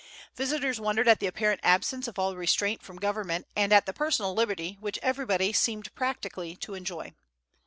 Visitors wondered at the apparent absence of all restraint from government and at the personal liberty which everybody seemed practically to enjoy.